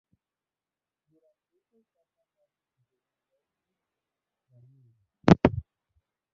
Durante esa etapa nace su segundo hija, Daniela.